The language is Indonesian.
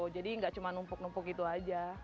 jadi nggak cuma numpuk numpuk gitu aja